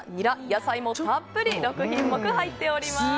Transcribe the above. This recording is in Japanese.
野菜もたっぷり６品目入っております。